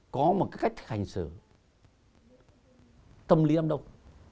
có một cách hành xử tâm lý âm đồng